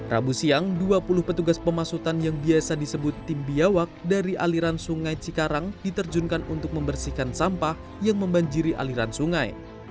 rabu siang dua puluh petugas pemasutan yang biasa disebut tim biawak dari aliran sungai cikarang diterjunkan untuk membersihkan sampah yang membanjiri aliran sungai